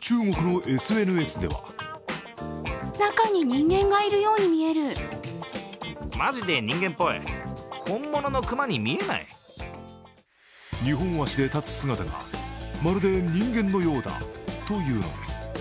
中国のＳＮＳでは２本足で立つ姿がまるで人間のようだというのです。